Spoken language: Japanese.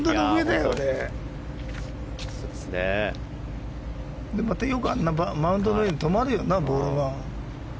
よくマウンドの上に止まるよな、ボールが。